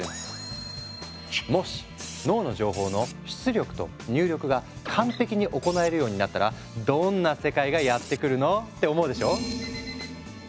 もし脳の情報の出力と入力が完璧に行えるようになったらどんな世界がやって来るの？って思うでしょ？